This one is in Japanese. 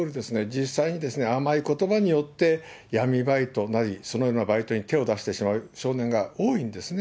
実際に甘いことばによって闇バイトなり、そのようなバイトに手を出してしまう少年が多いんですね。